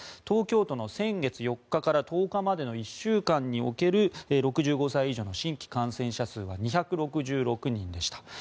東京都の先月４日から１０日までの１週間における６５歳以上の新規感染者数は２６６人でした。